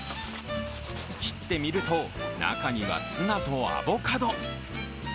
切ってみると、中にはツナとアボカド。